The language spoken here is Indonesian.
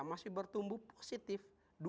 masih bertumbuh positif